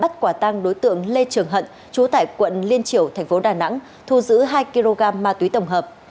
tượng lê trường hận chúa tại quận liên triểu tp đà nẵng thu giữ hai kg ma túy tổng hợp